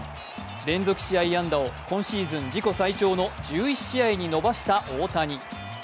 連続試合安打を今シーズン自己最長の１１試合に伸ばした大谷。